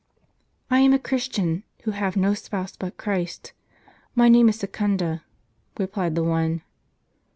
" I am a Christian, who have no spouse but Christ. My name is Secunda," replied the one.